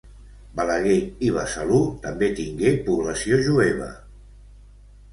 Balaguer i Besalú també tingué població jueva.